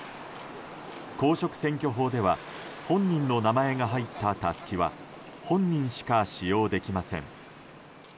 公職選挙法では本人の名前が入ったタスキは本人しか使用できません。